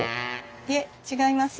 いえ違いますよ。